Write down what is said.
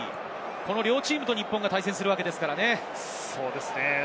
この両チームと日本が対戦するわけですからね。